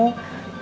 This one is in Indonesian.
inget aja ya mbak